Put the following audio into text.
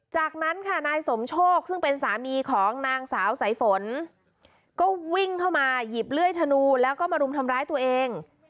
จากนั้นค่ะนายสมโชคซึ่งเป็นสามีของนางสาวสายฝนก็วิ่งเข้ามาหยิบเลื่อยธนูแล้วก็มารุมทำร้ายตัวเอง